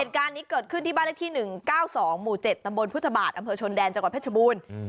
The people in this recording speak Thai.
การนี้เกิดขึ้นที่บ้านเลขที่๑๙๒หมู่๗ตำบลพุทธบาทอำเภอชนแดนจังหวัดเพชรบูรณ์